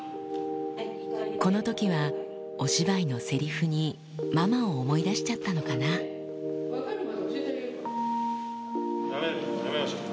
この時はお芝居のセリフにママを思い出しちゃったのかなやめましょう。